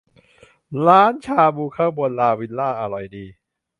ร้านชาบูข้างบนลาวิลล่าอร่อยดี